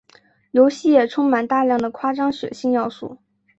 游戏也充满大量的夸张血腥要素。